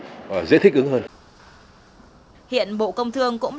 hiện bộ công thương cũng đạt được tổ chức hàng hóa xuất khẩu